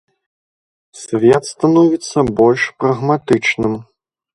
Свет становіцца больш прагматычным.